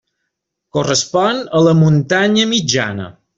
Correspon a la muntanya mitjana.